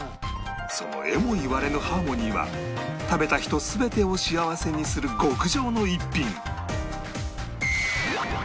そのえも言われぬハーモニーは食べた人全てを幸せにする極上の一品